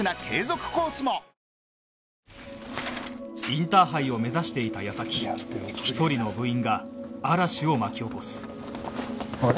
インターハイを目指していた矢先１人の部員が嵐を巻き起こすあれ？